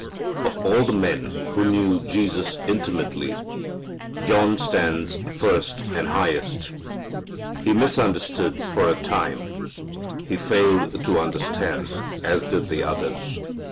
Of all the men who knew Jesus intimately John stands first and highest. He misunderstood for a time. He failed to understand, as did the others.